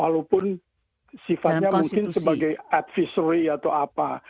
walaupun sifatnya mungkin sebagai advisory atau apa